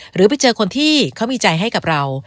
หรือไปเจอคนที่เขามีใจให้กับเรา